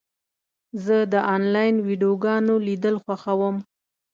زه د انلاین ویډیوګانو لیدل خوښوم.